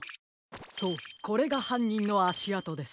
そうこれがはんにんのあしあとです。